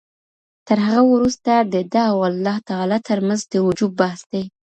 تر هغه وروسته د ده او الله تعالی تر منځ د وجوب بحث دی